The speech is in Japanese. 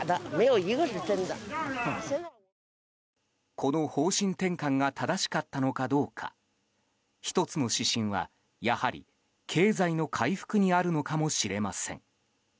この方針転換が正しかったのかどうか１つの指針は、やはり経済の回復にあるのかもしれません。